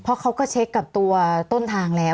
เพราะเขาก็เช็คต้นทางแล้ว